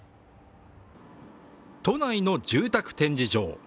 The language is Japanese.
都内の住宅展示場。